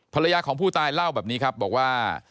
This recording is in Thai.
ภรรยาของผู้ตายเล่าแบบนี้ครับบอกว่า